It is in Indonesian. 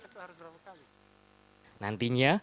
nantinya kantor baru ini akan terintegrasi